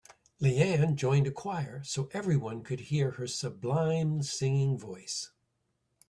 Leanne joined a choir so everyone could hear her sublime singing voice.